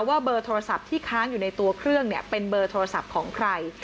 เบอร์โทรศัพท์ที่ค้างอยู่ในตัวเครื่องเป็นเบอร์โทรศัพท์ของใคร